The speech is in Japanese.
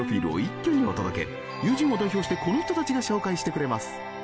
友人を代表してこの人たちが紹介してくれます。